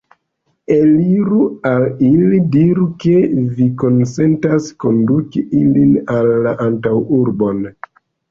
Eliru al ili, diru, ke vi konsentas konduki ilin en la antaŭurbon!